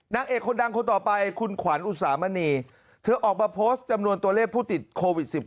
นางเอกคนดังคนต่อไปคุณขวัญอุสามณีเธอออกมาโพสต์จำนวนตัวเลขผู้ติดโควิด๑๙